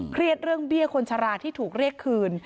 เครียดเรื่องเบี้ยคนชราที่ถูกเรียกคืน